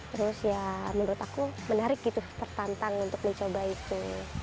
terus ya menurut aku menarik gitu tertantang untuk mencoba itu